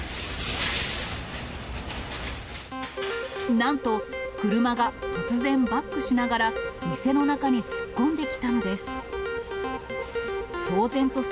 なんと、車が突然、バックしながら、店の中に突っ込んできたのです。